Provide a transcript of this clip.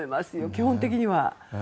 基本的には。